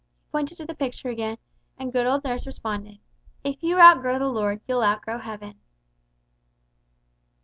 He pointed to the picture again, and good old nurse responded, "If you outgrow the Lord, you'll outgrow heaven!"